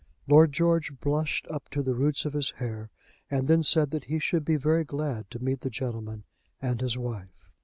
Lord George blushed up to the roots of his hair, and then said that he should be very glad to meet the gentleman and his wife.